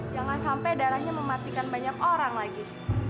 jangan sampai darahnya mematikan banyak orang lagi